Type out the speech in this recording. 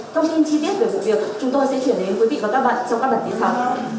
thông tin chi tiết về vụ việc chúng tôi sẽ chuyển đến quý vị và các bạn trong các bản tin sau